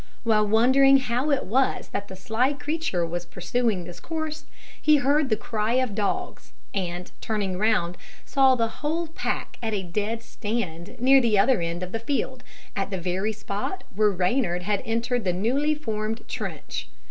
While wondering how it was that the sly creature was pursuing this course, he heard the cry of dogs, and turning round, saw the whole pack at a dead stand, near the other end of the field, at the very spot where Reynard had entered the newly formed trench.